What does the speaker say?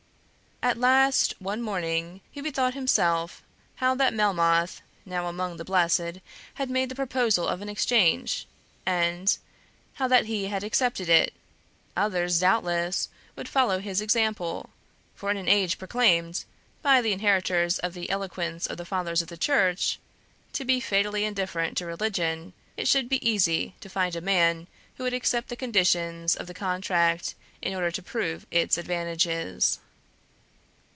At last, one morning, he bethought himself how that Melmoth (now among the blessed) had made the proposal of an exchange, and how that he had accepted it; others, doubtless, would follow his example; for in an age proclaimed, by the inheritors of the eloquence of the Fathers of the Church, to be fatally indifferent to religion, it should be easy to find a man who would accept the conditions of the contract in order to prove its advantages.